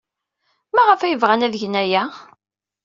Maɣef ay bɣan ad gen aya?